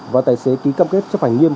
và tài xế ký cam kết chấp hành nghiêm